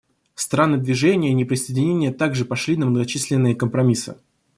Страны Движения неприсоединения также пошли на многочисленные компромиссы.